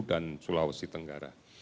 dan sulawesi tenggara